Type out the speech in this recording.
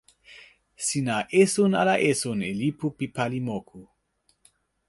sina esun ala esun e lipu pi pali moku?